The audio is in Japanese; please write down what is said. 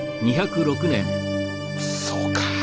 そうか。